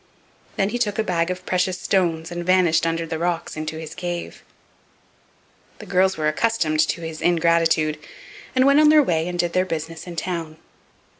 Then he took a bag of precious stones and vanished under the rocks into his cave. The girls were accustomed to his ingratitude, and went on their way and did their business in town.